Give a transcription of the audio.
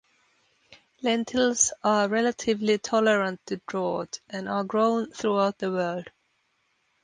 Lentils are relatively tolerant to drought, and are grown throughout the world.